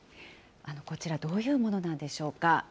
こちら、どういうものなんでしょ